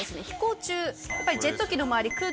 飛行中ジェット機の周り